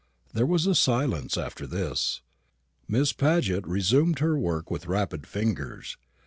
There was a silence after this. Miss Paget resumed her work with rapid fingers.